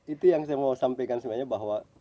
itu yang saya mau sampaikan sebenarnya bahwa